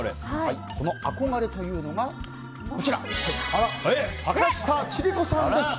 その憧れというのが坂下千里子さんですと。